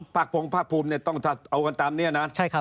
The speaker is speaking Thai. ปากโพงผ้าพูมต้องเอากันตามนี้นะ